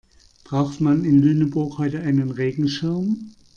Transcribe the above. Braucht man in Lüneburg heute einen Regenschirm?